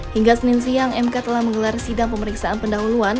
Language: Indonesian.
hingga senin siang mk telah menggelar sidang pemeriksaan pendahuluan